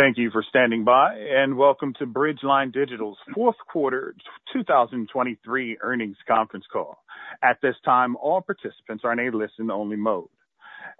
Thank you for standing by, and welcome to Bridgeline Digital's fourth quarter 2023 earnings conference call. At this time, all participants are in a listen-only mode.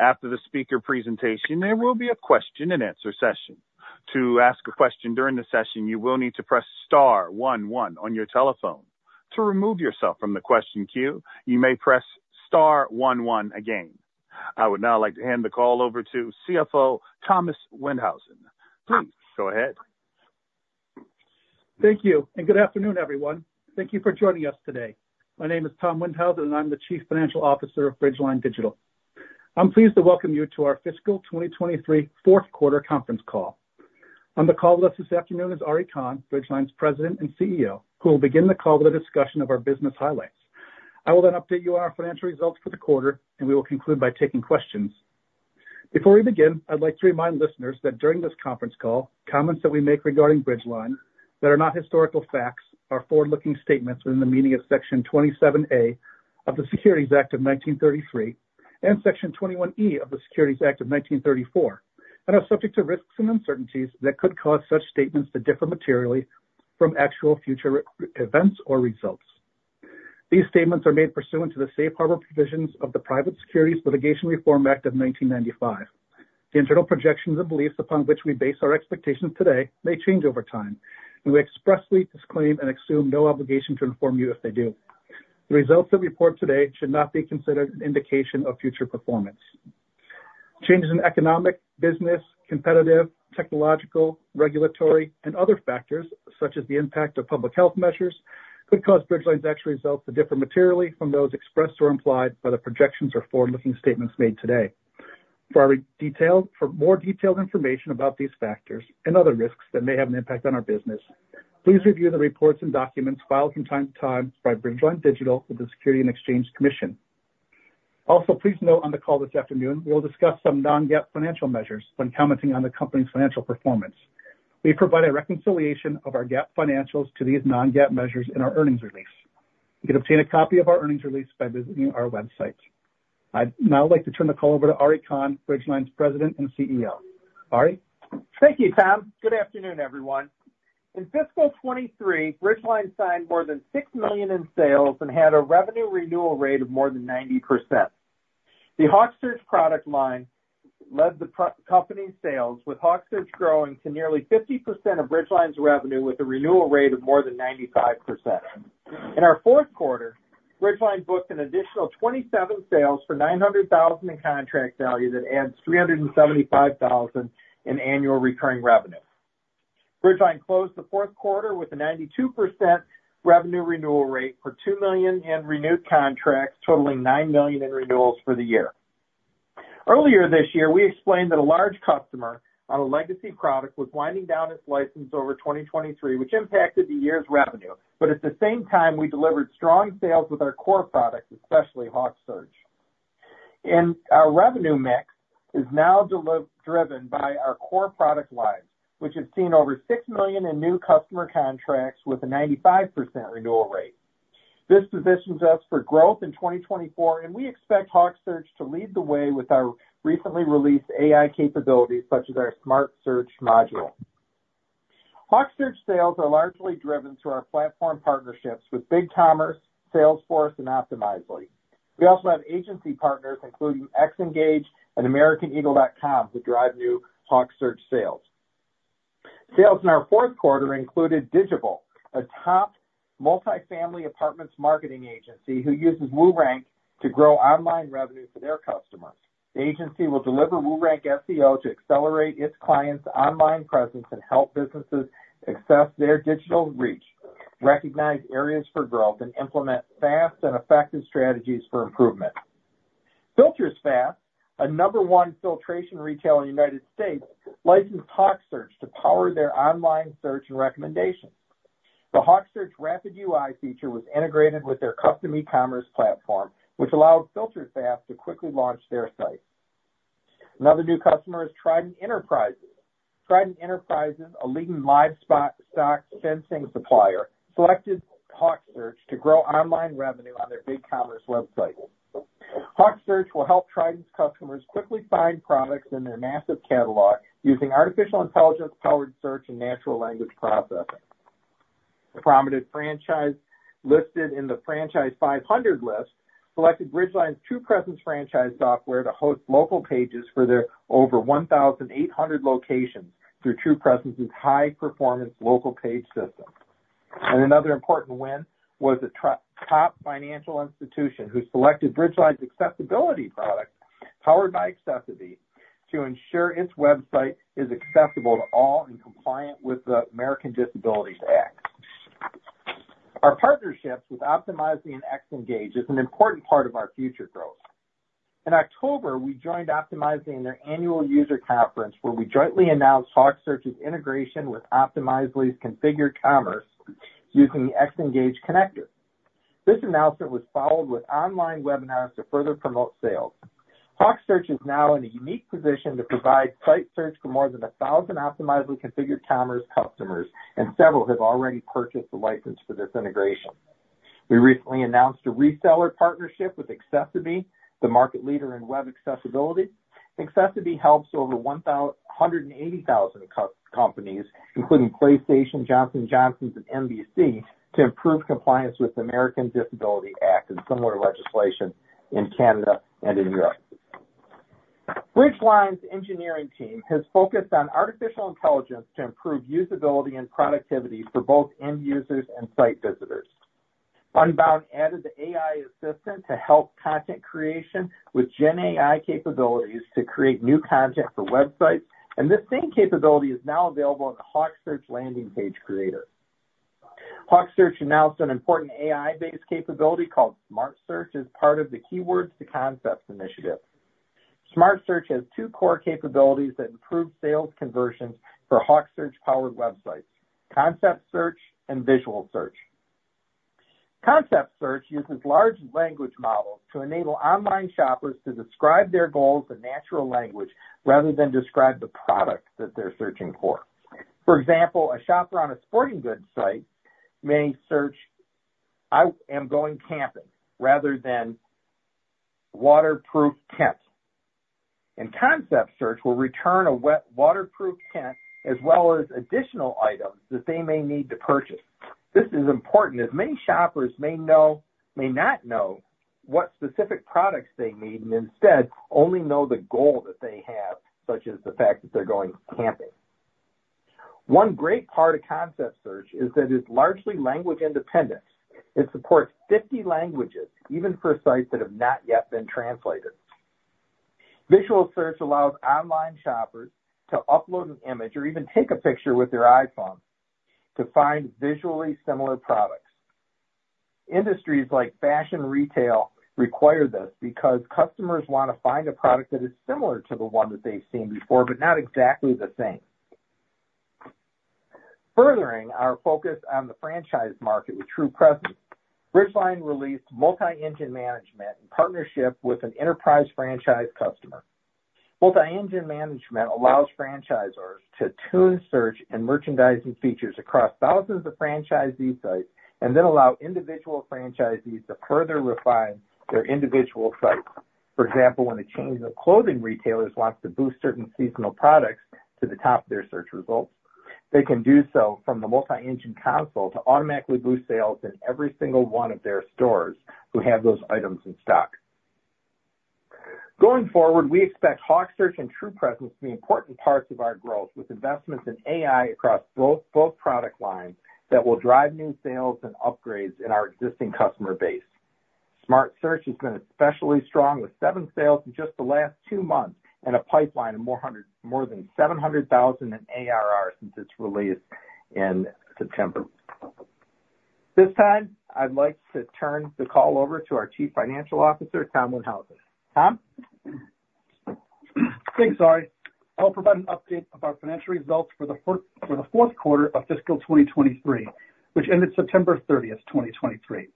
After the speaker presentation, there will be a question-and-answer session. To ask a question during the session, you will need to press star one one on your telephone. To remove yourself from the question queue, you may press star one one again. I would now like to hand the call over to CFO, Thomas Windhausen. Please go ahead. Thank you, and good afternoon, everyone. Thank you for joining us today. My name is Thomas Windhausen, and I'm the Chief Financial Officer of Bridgeline Digital. I'm pleased to welcome you to our fiscal 2023 fourth quarter conference call. On the call list this afternoon is Ari Kahn, Bridgeline's President and CEO, who will begin the call with a discussion of our business highlights. I will then update you on our financial results for the quarter, and we will conclude by taking questions. Before we begin, I'd like to remind listeners that during this conference call, comments that we make regarding Bridgeline that are not historical facts are forward-looking statements within the meaning of Section 27A of the Securities Act of 1933 and Section 21E of the Securities Act of 1934, and are subject to risks and uncertainties that could cause such statements to differ materially from actual future results. These statements are made pursuant to the safe harbor provisions of the Private Securities Litigation Reform Act of 1995. The internal projections and beliefs upon which we base our expectations today may change over time, and we expressly disclaim and assume no obligation to inform you if they do. The results that we report today should not be considered an indication of future performance. Changes in economic, business, competitive, technological, regulatory, and other factors, such as the impact of public health measures, could cause Bridgeline's actual results to differ materially from those expressed or implied by the projections or forward-looking statements made today. For more detailed information about these factors and other risks that may have an impact on our business, please review the reports and documents filed from time to time by Bridgeline Digital with the Securities and Exchange Commission. Also, please note on the call this afternoon, we'll discuss some non-GAAP financial measures when commenting on the company's financial performance. We provide a reconciliation of our GAAP financials to these non-GAAP measures in our earnings release. You can obtain a copy of our earnings release by visiting our website. I'd now like to turn the call over to Ari Kahn, Bridgeline's President and CEO. Ari? Thank you, Tom. Good afternoon, everyone. In fiscal 2023, Bridgeline signed more than $6 million in sales and had a revenue renewal rate of more than 90%. The HawkSearch product line led the company's sales, with HawkSearch growing to nearly 50% of Bridgeline's revenue, with a renewal rate of more than 95%. In our fourth quarter, Bridgeline booked an additional 27 sales for $900,000 in contract value that adds $375,000 in annual recurring revenue. Bridgeline closed the fourth quarter with a 92% revenue renewal rate for $2 million in renewed contracts, totaling $9 million in renewals for the year. Earlier this year, we explained that a large customer on a legacy product was winding down its license over 2023, which impacted the year's revenue. But at the same time, we delivered strong sales with our core products, especially HawkSearch. Our revenue mix is now largely driven by our core product lines, which has seen over $6 million in new customer contracts with a 95% renewal rate. This positions us for growth in 2024, and we expect HawkSearch to lead the way with our recently released AI capabilities, such as our Smart Search module. HawkSearch sales are largely driven through our platform partnerships with BigCommerce, Salesforce, and Optimizely. We also have agency partners, including Xngage and Americaneagle.com, to drive new HawkSearch sales. Sales in our fourth quarter included Digible, a top multifamily apartments marketing agency who uses WooRank to grow online revenue for their customers. The agency will deliver WooRank SEO to accelerate its clients' online presence and help businesses access their digital reach, recognize areas for growth, and implement fast and effective strategies for improvement. Filters Fast, a number one filtration retailer in the United States, licensed HawkSearch to power their online search and recommendations. The HawkSearch Rapid UI feature was integrated with their custom eCommerce platform, which allowed Filters Fast to quickly launch their site. Another new customer is Trident Enterprises. Trident Enterprises, a leading livestock fencing supplier, selected HawkSearch to grow online revenue on their BigCommerce website. HawkSearch will help Trident's customers quickly find products in their massive catalog using artificial intelligence-powered search and natural language processing. A prominent franchise listed in the Franchise 500 list selected Bridgeline's TruePresence franchise software to host local pages for their over 1,800 locations through TruePresence's high-performance local page system. Another important win was a top financial institution who selected Bridgeline's accessibility product, powered by accessiBe, to ensure its website is accessible to all and compliant with the Americans with Disabilities Act. Our partnerships with Optimizely and Xngage is an important part of our future growth. In October, we joined Optimizely in their annual user conference, where we jointly announced HawkSearch's integration with Optimizely's Configured Commerce using the Xngage connector. This announcement was followed with online webinars to further promote sales. HawkSearch is now in a unique position to provide site search for more than 1,000 Optimizely Configured Commerce customers, and several have already purchased a license for this integration.... We recently announced a reseller partnership with accessiBe, the market leader in web accessibility. accessiBe helps over 180,000 companies, including PlayStation, Johnson & Johnson, and NBC, to improve compliance with Americans with Disabilities Act and similar legislation in Canada and in Europe. Bridgeline's engineering team has focused on artificial intelligence to improve usability and productivity for both end users and site visitors. Unbound added the AI assistant to help content creation with Gen AI capabilities to create new content for websites, and this same capability is now available on the HawkSearch landing page creator. HawkSearch announced an important AI-based capability called Smart Search as part of the Keywords to Concepts initiative. Smart Search has two core capabilities that improve sales conversions for HawkSearch-powered websites, Concept Search and Visual Search. Concept Search uses large language models to enable online shoppers to describe their goals in natural language, rather than describe the product that they're searching for. For example, a shopper on a sporting goods site may search, "I am going camping," rather than "waterproof tent". And Concept Search will return a waterproof tent, as well as additional items that they may need to purchase. This is important, as many shoppers may not know what specific products they need, and instead only know the goal that they have, such as the fact that they're going camping. One great part of Concept Search is that it's largely language independent. It supports 50 languages, even for sites that have not yet been translated. Visual Search allows online shoppers to upload an image or even take a picture with their iPhone to find visually similar products. Industries like fashion retail require this because customers want to find a product that is similar to the one that they've seen before, but not exactly the same. Furthering our focus on the franchise market with TruePresence, Bridgeline released Multi-Engine Management in partnership with an enterprise franchise customer. Multi-Engine Management allows franchisors to tune, search, and merchandising features across thousands of franchisee sites, and then allow individual franchisees to further refine their individual sites. For example, when a chain of clothing retailers wants to boost certain seasonal products to the top of their search results, they can do so from the Multi-Engine Console to automatically boost sales in every single one of their stores who have those items in stock. Going forward, we expect HawkSearch and TruePresence to be important parts of our growth, with investments in AI across both, both product lines that will drive new sales and upgrades in our existing customer base. Smart Search has been especially strong, with seven sales in just the last two months and a pipeline of more than $700,000 in ARR since its release in September. This time, I'd like to turn the call over to our Chief Financial Officer, Tom Windhausen. Tom? Thanks, Ari. I'll provide an update of our financial results for the fourth quarter of fiscal 2023, which ended September 30, 2023.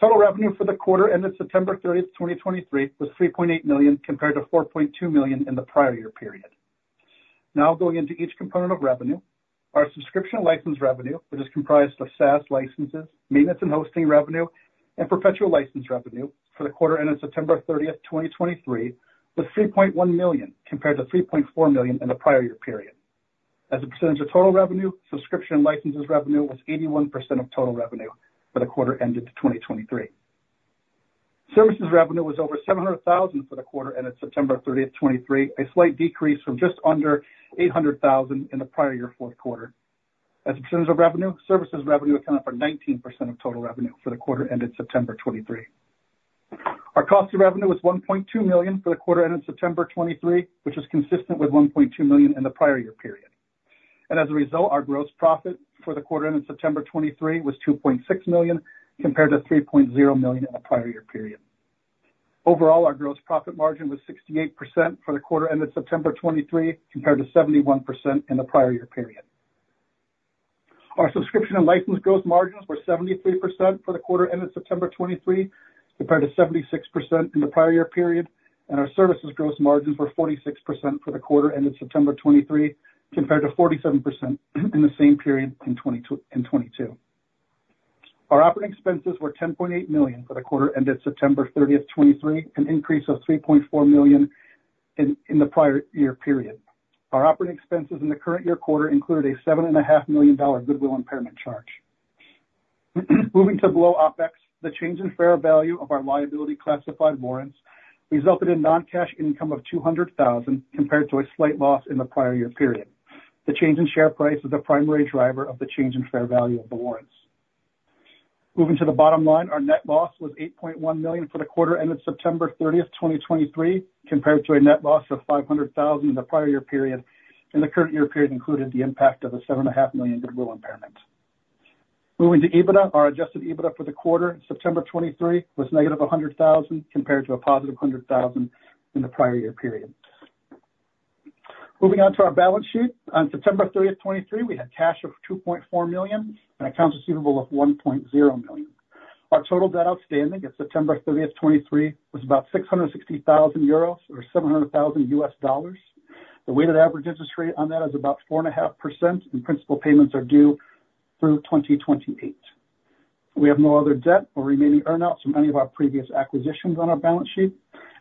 Total revenue for the quarter ended September 30, 2023, was $3.8 million, compared to $4.2 million in the prior year period. Now, going into each component of revenue. Our subscription and license revenue, which is comprised of SaaS licenses, maintenance and hosting revenue, and perpetual license revenue for the quarter ended September 30, 2023, was $3.1 million, compared to $3.4 million in the prior year period. As a percentage of total revenue, subscription and licenses revenue was 81% of total revenue for the quarter ended 2023. Services revenue was over $700,000 for the quarter ended September 30, 2023, a slight decrease from just under $800,000 in the prior year fourth quarter. As a percentage of revenue, services revenue accounted for 19% of total revenue for the quarter ended September 2023. Our cost of revenue was $1.2 million for the quarter ended September 2023, which is consistent with $1.2 million in the prior year period. As a result, our gross profit for the quarter ended September 2023 was $2.6 million, compared to $3.0 million in the prior year period. Overall, our gross profit margin was 68% for the quarter ended September 2023, compared to 71% in the prior year period. Our subscription and license gross margins were 73% for the quarter ended September 2023, compared to 76% in the prior year period, and our services gross margins were 46% for the quarter ended September 2023, compared to 47% in the same period in 2022. Our operating expenses were $10.8 million for the quarter ended September 30, 2023, an increase of $3.4 million in the prior year period. Our operating expenses in the current year quarter include a $7.5 million goodwill impairment charge. Moving to below OpEx, the change in fair value of our liability-classified warrants resulted in non-cash income of $200,000, compared to a slight loss in the prior year period. The change in share price is the primary driver of the change in fair value of the warrants. Moving to the bottom line, our net loss was $8.1 million for the quarter ended September 30, 2023, compared to a net loss of $500,000 in the prior year period, and the current year period included the impact of a $7.5 million goodwill impairment. Moving to EBITDA, our adjusted EBITDA for the quarter, September 2023, was -$100,000, compared to a positive $100,000 in the prior year period. Moving on to our balance sheet. On September 30, 2023, we had cash of $2.4 million and accounts receivable of $1.0 million. Our total debt outstanding at September 30, 2023, was about 660,000 euros or $700,000. The weighted average interest rate on that is about 4.5%, and principal payments are due through 2028. We have no other debt or remaining earn outs from any of our previous acquisitions on our balance sheet.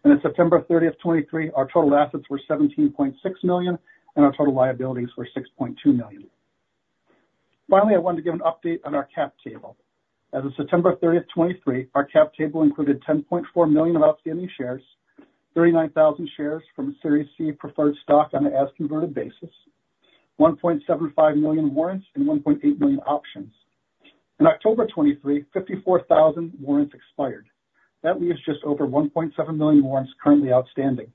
As of September 30, 2023, our total assets were $17.6 million, and our total liabilities were $6.2 million. Finally, I wanted to give an update on our cap table. As of September 30, 2023, our cap table included 10.4 million of outstanding shares, 39,000 shares from Series C Preferred Stock on an as-converted basis, 1.75 million warrants, and 1.8 million options. In October 2023, 54,000 warrants expired. That leaves just over 1.7 million warrants currently outstanding.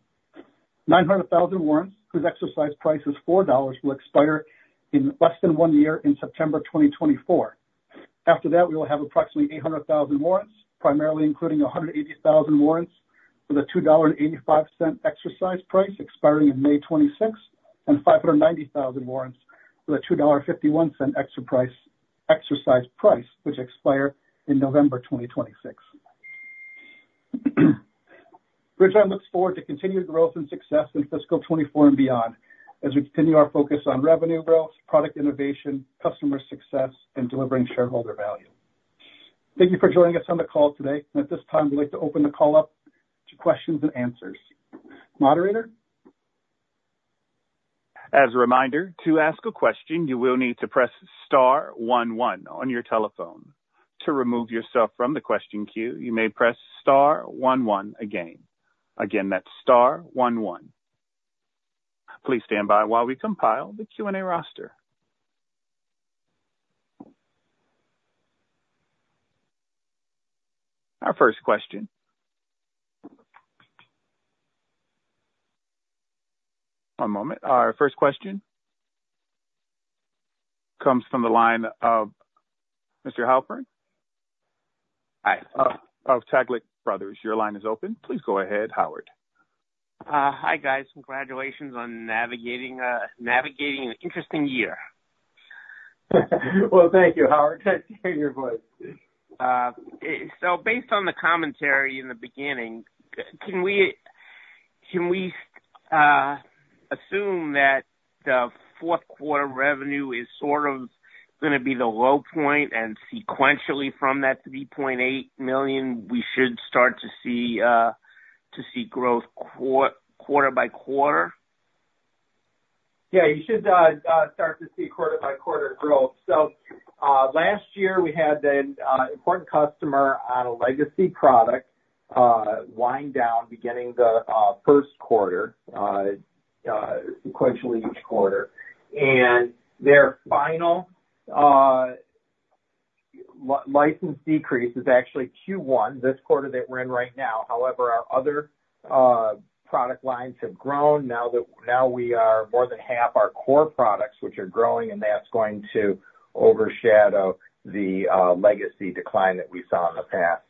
900,000 warrants, whose exercise price is $4, will expire in less than one year, in September 2024. After that, we will have approximately 800,000 warrants, primarily including 180,000 warrants with a $2.85 exercise price expiring in May 2026, and 590,000 warrants with a $2.51 exercise price, which expire in November 2026. Bridgeline looks forward to continued growth and success in fiscal 2024 and beyond as we continue our focus on revenue growth, product innovation, customer success, and delivering shareholder value. Thank you for joining us on the call today, and at this time, we'd like to open the call up to questions and answers. Moderator? As a reminder, to ask a question, you will need to press star one one on your telephone. To remove yourself from the question queue, you may press star one one again. Again, that's star one one. Please stand by while we compile the Q&A roster. Our first question. One moment. Our first question comes from the line of Mr. Halpern. Hi. Of Taglich Brothers, your line is open. Please go ahead, Howard. Hi, guys. Congratulations on navigating an interesting year. Well, thank you, Howard. I hear your voice. So based on the commentary in the beginning, can we assume that the fourth quarter revenue is sort of gonna be the low point, and sequentially from that $3.8 million, we should start to see growth quarter by quarter? Yeah, you should start to see quarter by quarter growth. So, last year we had an important customer on a legacy product wind down beginning the first quarter sequentially each quarter. And their final license decrease is actually Q1, this quarter that we're in right now. However, our other product lines have grown. Now that now we are more than half our core products, which are growing, and that's going to overshadow the legacy decline that we saw in the past.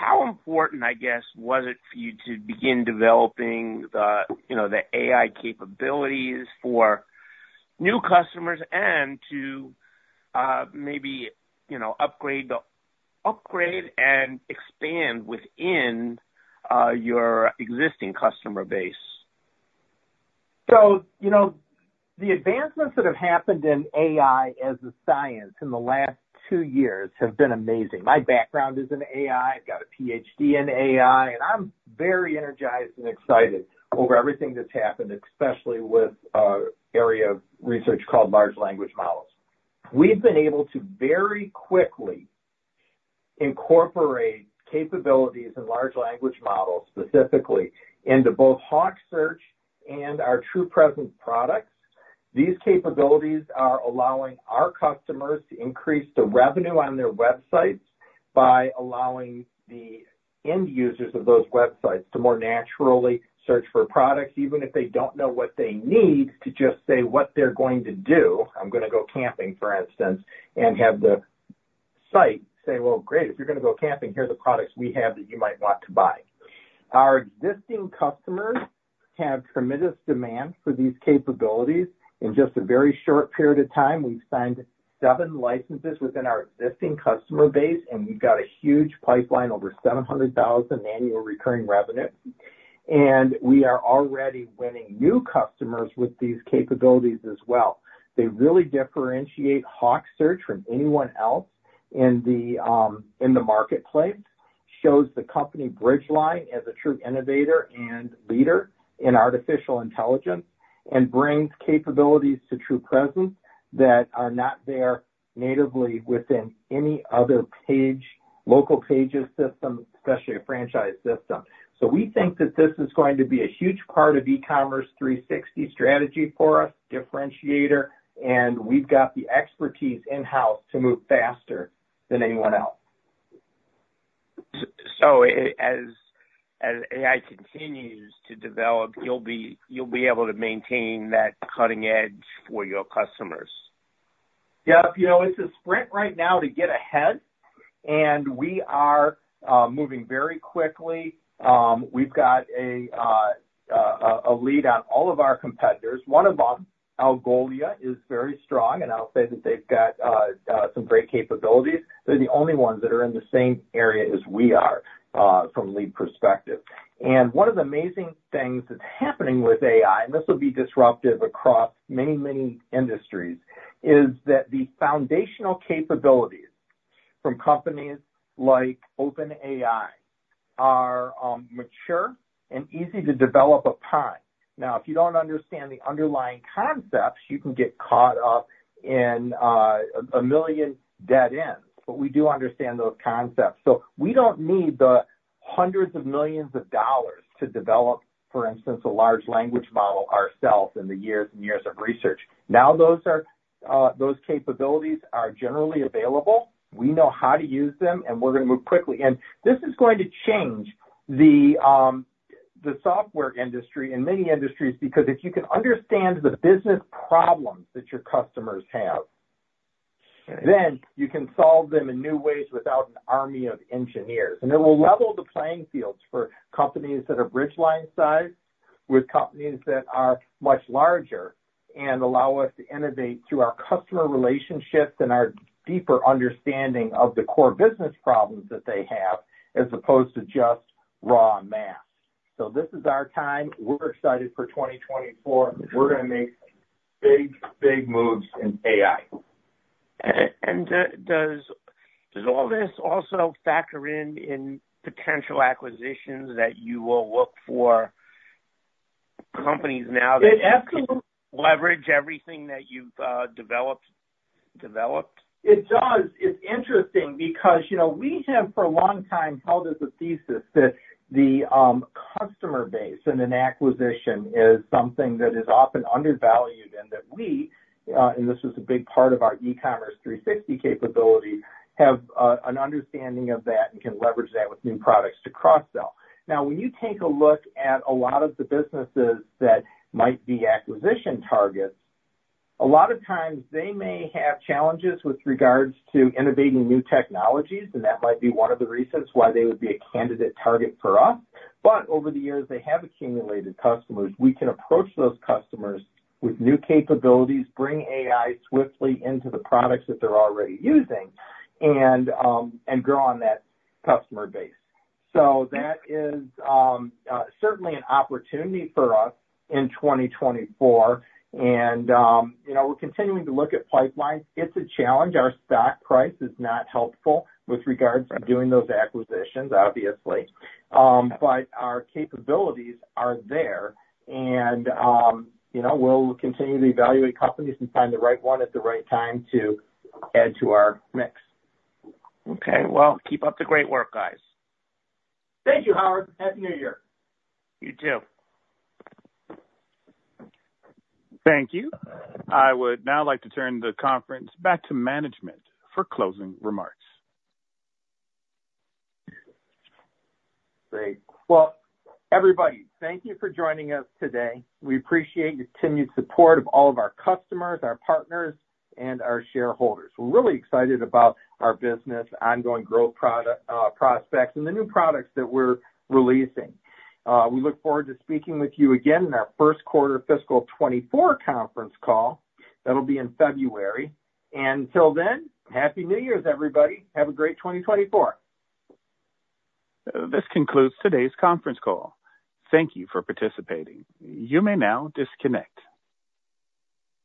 How important, I guess, was it for you to begin developing the, you know, the AI capabilities for new customers and to maybe, you know, upgrade and expand within your existing customer base? So, you know, the advancements that have happened in AI as a science in the last two years have been amazing. My background is in AI. I've got a Ph.D. in AI, and I'm very energized and excited over everything that's happened, especially with an area of research called large language models. We've been able to very quickly incorporate capabilities in large language models, specifically into both HawkSearch and our TruePresence products. These capabilities are allowing our customers to increase the revenue on their websites by allowing the end users of those websites to more naturally search for products, even if they don't know what they need, to just say what they're going to do. I'm gonna go camping, for instance, and have the site say: "Well, great, if you're gonna go camping, here are the products we have that you might want to buy." Our existing customers have tremendous demand for these capabilities. In just a very short period of time, we've signed seven licenses within our existing customer base, and we've got a huge pipeline, over $700,000 annual recurring revenue. We are already winning new customers with these capabilities as well. They really differentiate HawkSearch from anyone else in the marketplace, shows the company Bridgeline as a true innovator and leader in artificial intelligence, and brings capabilities to TruePresence that are not there natively within any other page, local pages system, especially a franchise system. We think that this is going to be a huge part of eCommerce360 strategy for us, differentiator, and we've got the expertise in-house to move faster than anyone else. So as AI continues to develop, you'll be able to maintain that cutting edge for your customers? Yep. You know, it's a sprint right now to get ahead, and we are moving very quickly. We've got a lead on all of our competitors. One of them, Algolia, is very strong, and I'll say that they've got some great capabilities. They're the only ones that are in the same area as we are from lead perspective. And one of the amazing things that's happening with AI, and this will be disruptive across many, many industries, is that the foundational capabilities from companies like OpenAI are mature and easy to develop upon. Now, if you don't understand the underlying concepts, you can get caught up in a million dead ends, but we do understand those concepts. So we don't need the hundreds of millions of dollars to develop, for instance, a large language model ourselves, and the years and years of research. Now, those are those capabilities are generally available. We know how to use them, and we're gonna move quickly. And this is going to change the, the software industry and many industries, because if you can understand the business problems that your customers have, then you can solve them in new ways without an army of engineers. And it will level the playing fields for companies that are Bridgeline-sized, with companies that are much larger, and allow us to innovate through our customer relationships and our deeper understanding of the core business problems that they have, as opposed to just raw math. So this is our time. We're excited for 2024. We're gonna make big, big moves in AI. Does all this also factor in potential acquisitions that you will look for companies now- It absolutely- leverage everything that you've developed? It does. It's interesting because, you know, we have for a long time held as a thesis that the customer base in an acquisition is something that is often undervalued and that we, and this is a big part of our eCommerce360 capability, have an understanding of that and can leverage that with new products to cross-sell. Now, when you take a look at a lot of the businesses that might be acquisition targets, a lot of times they may have challenges with regards to innovating new technologies, and that might be one of the reasons why they would be a candidate target for us. But over the years, they have accumulated customers. We can approach those customers with new capabilities, bring AI swiftly into the products that they're already using, and grow on that customer base. That is certainly an opportunity for us in 2024. You know, we're continuing to look at pipelines. It's a challenge. Our stock price is not helpful with regards to doing those acquisitions, obviously. But our capabilities are there, and you know, we'll continue to evaluate companies and find the right one at the right time to add to our mix. Okay. Well, keep up the great work, guys. Thank you, Howard. Happy New Year! You too. Thank you. I would now like to turn the conference back to management for closing remarks. Great. Well, everybody, thank you for joining us today. We appreciate the continued support of all of our customers, our partners, and our shareholders. We're really excited about our business, ongoing growth product, prospects, and the new products that we're releasing. We look forward to speaking with you again in our first quarter fiscal 2024 conference call. That'll be in February. Until then, Happy New Year's, everybody. Have a great 2024. This concludes today's conference call. Thank you for participating. You may now disconnect.